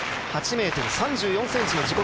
８ｍ３４ｃｍの自己